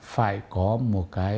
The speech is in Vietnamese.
phải có một cái